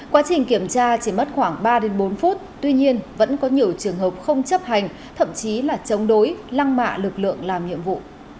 quá trình kiểm tra chỉ mất khoảng ba bốn phút tuy nhiên vẫn có nhiều trường hợp không chấp hành thậm chí là chống đối lăng mạ lực lượng làm nhiệm vụ